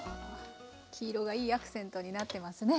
黄色がいいアクセントになってますね。